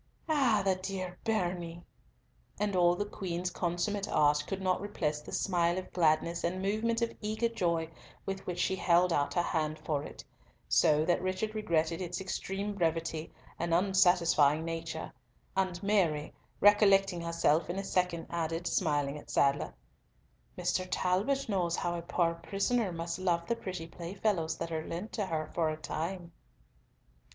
"Ah! the dear bairnie," and all the Queen's consummate art could not repress the smile of gladness and the movement of eager joy with which she held out her hand for it, so that Richard regretted its extreme brevity and unsatisfying nature, and Mary, recollecting herself in a second, added, smiling at Sadler, "Mr. Talbot knows how a poor prisoner must love the pretty playfellows that are lent to her for a time."